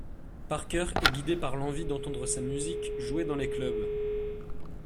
Parker est guidé par l'envie d'entendre sa musique jouée dans les clubs.